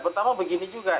pertama begini juga